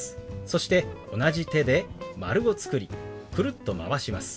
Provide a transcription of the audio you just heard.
そして同じ手で丸を作りくるっとまわします。